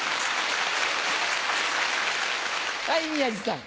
はい宮治さん。